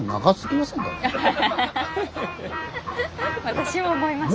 私も思いました。